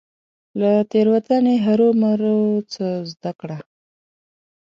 له تيروتني هرمروه څه زده کړه .